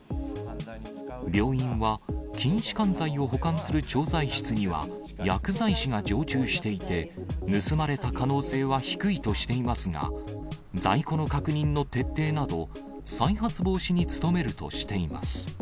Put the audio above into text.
病院は筋しかん剤を保管する調剤室には薬剤師が常駐していて、盗まれた可能性は低いとしていますが、在庫の確認の徹底など、再発防止に努めるとしています。